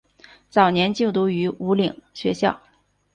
早年就读于武岭学校。